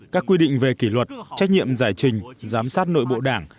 các quy định về kỷ luật trách nhiệm giải trình giám sát nội bộ đảng